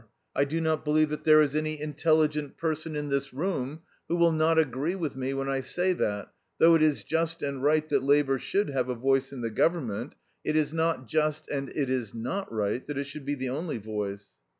I do not believe that there is any intelligent person in this room who will not agree with me when I say that, though it is just and right that Labour should have a voice in the government, it is not just and it is not right that it should be the only voice.